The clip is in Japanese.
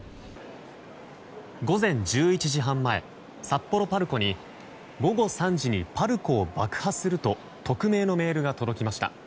午前１１時半前札幌パルコに午後３時にパルコを爆破すると匿名のメールが届きました。